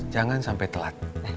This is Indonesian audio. jangan sampai telat